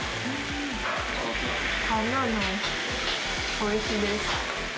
おいしいです。